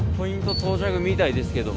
到着みたいですけども。